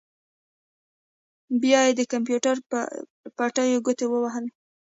بيا يې د کمپيوټر پر بټنو ګوتې ووهلې.